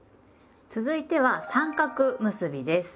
続いては「三角結び」です。